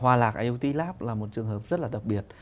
hòa lạc ioti lab là một trường hợp rất là đặc biệt